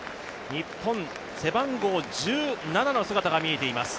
日本背番号１７の姿が見えています。